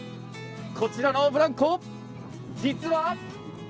こちらのブランコ実は。